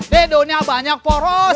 di dunia banyak poros